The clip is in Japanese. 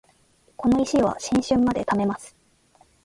この石は新春まで貯めます